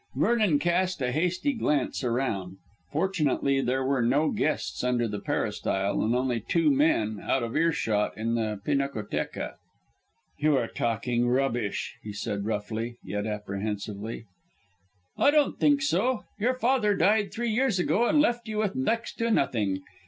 Vernon cast a hasty glance around. Fortunately, there were no guests under the peristyle, and only two men, out of earshot, in the pinacotheca. "You are talking rubbish," he said roughly, yet apprehensively. "I don't think so. Your father died three years ago and left you with next to nothing.